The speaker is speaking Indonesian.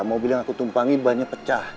mobil yang aku tumpangi banyak pecah